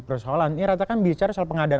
persoalan ini rata kan bicara soal pengadaan